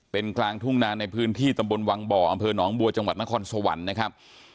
เป็นกลางทุ่งนาในพื้นที่ตำบลวังบ่ออำเภอหนองบัวจังหวัดนครสวรรค์นะครับ